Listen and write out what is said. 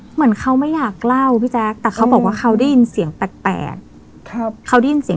เหมือนเขาไม่อยากเล่าพี่แจ๊กแต่เขาบอกว่าเขาได้ยินเสียงแปลก